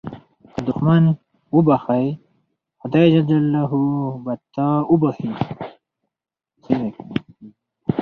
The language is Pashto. که دوښمن وبخښې، خدای جل جلاله به تا وبخښي.